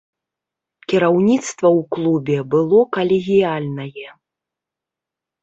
Кіраўніцтва ў клубе было калегіяльнае.